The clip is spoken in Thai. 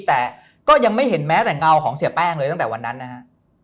แต่ก็ยังไม่เห็นแม้แต่เงาของเสียแป้งเลยตั้งแต่วันนั้นนะฮะ